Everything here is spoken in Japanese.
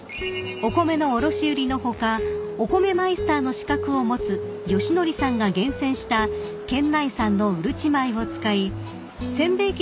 ［お米の卸売りの他お米マイスターの資格を持つ吉規さんが厳選した県内産のうるち米を使い煎餅